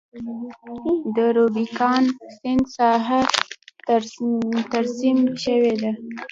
د روبیکان سیند ساحه ترسیم شوې ده.